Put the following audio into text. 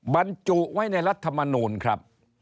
บรรจุไว้ในรัฐมนูลครับ